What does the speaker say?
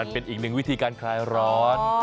เป็นอีกหนึ่งวิธีการคลายร้อน